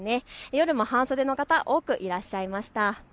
夜も半袖の方、多くいらっしゃいました。